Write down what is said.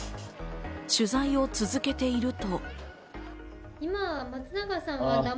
取材を続けていると。